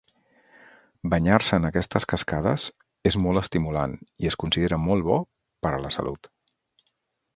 Banyar-se en aquestes cascades és molt estimulant i es considera molt bo per a la salut.